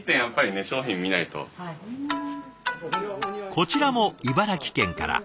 こちらも茨城県から。